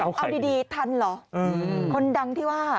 เอาดีทันเหรอคนดังที่ว่า